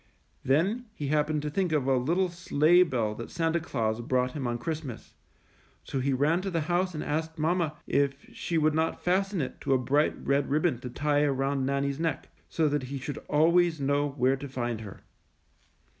Then he happened to think of a little sleigh bell that Santa Claus brought him on Christ mas, so he ran to the house and asked mamma if she would not fasten it to a bright red rib bon to tie around Nannie^s neck, so that he should always know where to find her.